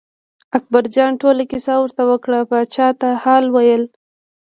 اکبرجان ټوله کیسه ورته وکړه پاچا ته حال ویل.